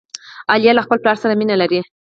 عالیه له خپل پلار سره مینه لري.